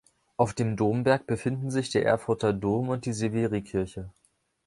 Auf dem Domberg befinden sich der Erfurter Dom und die Severikirche.